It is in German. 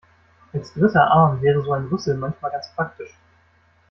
Als dritter Arm wäre so ein Rüssel manchmal ganz praktisch.